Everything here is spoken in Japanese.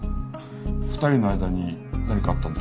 ２人の間に何かあったんでしょうか？